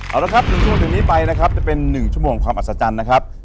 เอาละครับ๑ชั่วโมงถึงนี้ไปนะครับจะเป็น๑ชั่วโมงความอัศจรรย์นะครับ